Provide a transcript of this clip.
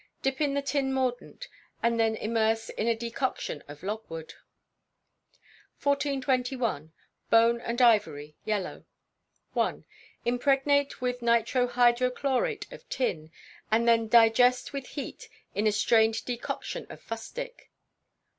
_ Dip in the tin mordant, and then immerse in a decoction of logwood. 1421. Bone and Ivory. Yellow. i. Impregnate with nitro hydrochlorate of tin, and then digest with heat in a strained decoction of fustic.